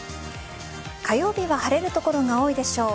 火曜日は晴れる所が多いでしょう。